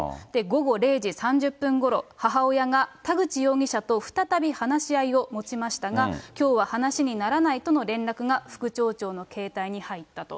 午後０時３０分ごろ、母親が田口容疑者と再び話し合いを持ちましたが、きょうは話にならないとの連絡が副町長の携帯に入ったと。